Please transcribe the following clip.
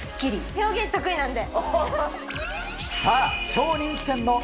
表現得意なんで。